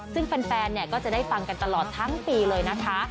ซึ่งแฟนก็จะได้ฟังกันตลอดทั้งปีเลยนะคะ